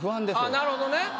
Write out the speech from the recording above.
あぁなるほどね。